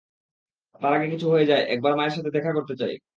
তার আগে কিছু হয়ে যায়, একবার মায়ের সাথে দেখা করতে চাই।